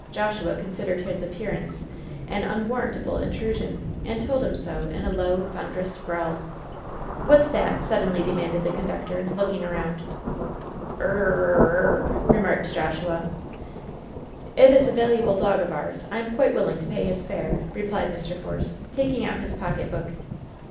Joshua considered his appearance an unwarrantable intrusion, and told him so in a low, thunderous growl. "What's that?" suddenly demanded the conductor, looking around. "Urr rr rr rr," remarked Joshua. "It is a valuable dog of ours. I am quite willing to pay his fare," replied Mr. Force, taking out his pocket book.